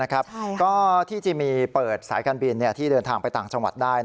ก็ที่จะมีเปิดสายการบินที่เดินทางไปต่างจังหวัดได้